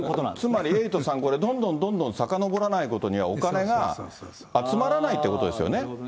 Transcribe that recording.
つまりエイトさん、これ、どんどんどんどんさかのぼらないことには、お金が集まらないということですよね。